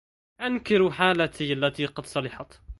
أنكروا حالتي التي قد صلحت